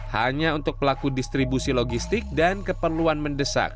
hanya untuk pelaku distribusi logistik dan keperluan mendesak